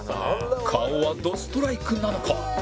顔はどストライクなのか！？